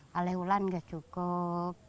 kalau sebulan tidak cukup